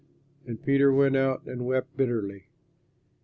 And Peter went out and wept bitterly.